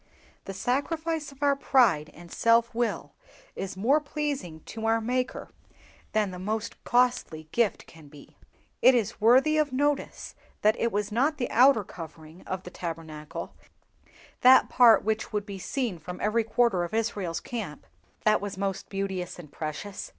The sacrifice of our pride and self will is more pleasing to our Maker than the most costly gifts can be. It is worthy of notice that it was not the outer covering of the Tabernacle, that part which would be seen from every quarter of Israel's camp, that was most beauteous and precious.